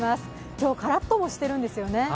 今日、カラッともしているんですよね。